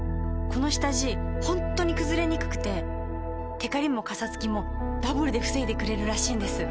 この下地ホントにくずれにくくてテカリもカサつきもダブルで防いでくれるらしいんです。